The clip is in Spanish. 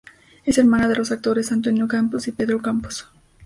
Es hermana de los actores Antonio Campos y Pedro Campos.